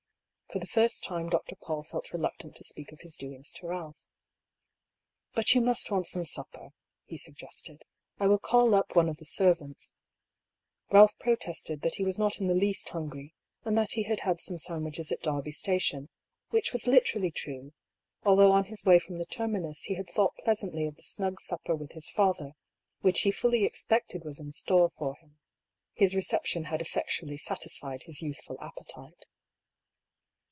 For the first time Dr. Paull felt reluctant to speak of his doings to Ealph. " But you must want some supper," he suggested. " I will call up one of the servants —" Ralph protested that he was not in the least hungry, and that he had had some sandwiches at Derby Station, which was literally true, although on his way from the terminus he had thought pleasantly of the snug supper with his father, which he fully expected was in store for him. His reception had effectually satisfied his youthful appetite.